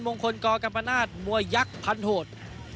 มงคลกกรรมนาศมวยยักษ์พันโหด